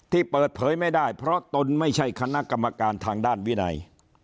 ที่เปิดเผยไม่ได้เพราะตนไม่ใช่คณะกรรมการทางด้านวินัย